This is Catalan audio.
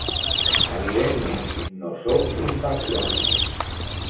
Evidentment, no soc imparcial.